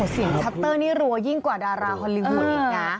โอ้โหเสียงชัปต์เตอร์นี่รั้วยิ่งกว่าดาราฮอลลิหูยอีกนะ